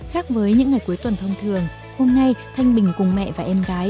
khác với những ngày cuối tuần thông thường hôm nay thanh bình cùng mẹ và em gái